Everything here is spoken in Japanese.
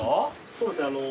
そうですね。